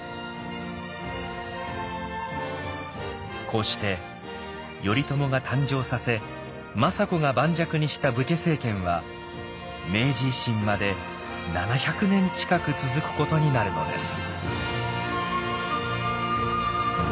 こうして頼朝が誕生させ政子が盤石にした武家政権は明治維新まで７００年近く続くことになるのです。